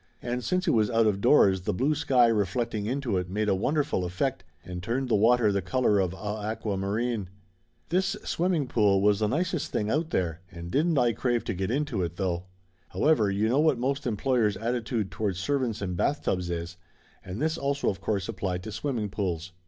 And since it was out of doors the blue sky reflecting into it made a wonderful effect, and turned the water the color of a aquamarine. This swimming pool was the nicest thing out there, and didn't I crave to get into it, though! However, you know what most em ployers' attitude towards servants and bathtubs is, and this also of course applied to swimming pools.